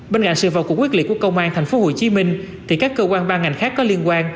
bên cạnh sự vào cuộc quyết liệt của công an tp hcm thì các cơ quan ban ngành khác có liên quan